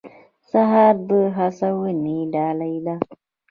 سهار د هڅونې ډالۍ ده.